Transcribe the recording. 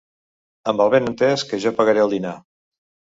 Amb el benentès que jo pagaré el dinar.